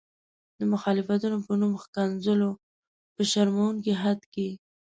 د مخالفتونو په نوم ښکنځلو په شرموونکي حد کې.